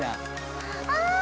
ああ！